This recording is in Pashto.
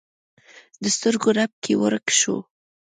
د سترګو رپ کې ورک شو